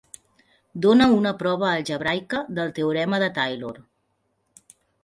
Dóna una prova algebraica del teorema de Taylor.